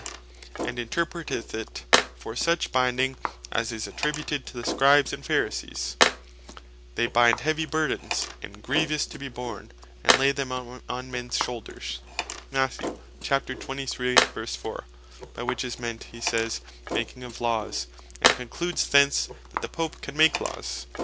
and interpreteth it for such Binding as is attributed (Matth. 23.4.) to the Scribes and Pharisees, "They bind heavy burthens, and grievous to be born, and lay them on mens shoulders;" by which is meant (he sayes) Making of Laws; and concludes thence, the Pope can make Laws.